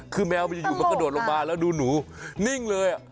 คือแมวมันอยู่มันกระโดดลงมาแล้วดูหนูนิ่งเลย